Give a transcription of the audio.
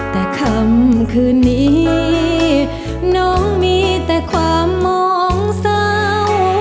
แต่คำคืนนี้น้องมีแต่ความมองเศร้า